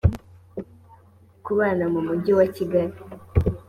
ku bana mu mujyi wa kigali